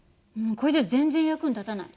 これじゃ全然役に立たない。